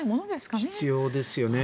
必要ですよね。